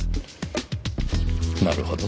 なるほど。